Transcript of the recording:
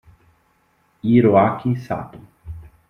Hiroaki Satō